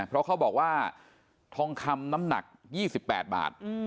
เพราะเขาบอกว่าทองคำน้ำหนัก๒๘บาท